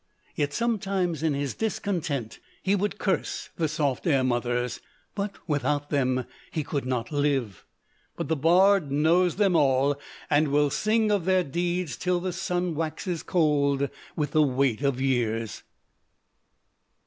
Yet, sometimes in his discontent, he would curse the soft air mothers: but without them he could not live. But the bard knows them all, and will sing of their deeds till the sun waxes cold with the weight of years.